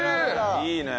いいね。